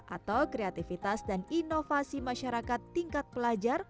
atau kreativitas dan inovasi masyarakat tingkat pelajar